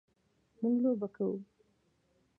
موږ لوبې کوو.